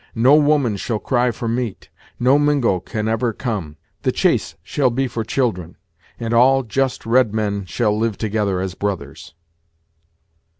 No woman shall cry for meat: no Mingo can ever come The chase shall be for children; and all just red men shall live together as brothers."